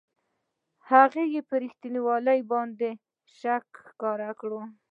هغه یې پر رښتینوالي باندې شک ښکاره کړ.